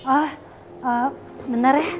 oh bener ya